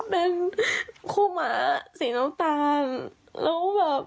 เป็นคู่หมาสีน้ำตาลแล้วแบบ